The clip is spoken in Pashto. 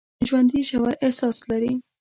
ژوندي ژور احساس لري